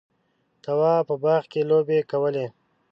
تواب په باغ کې لوبې کولې.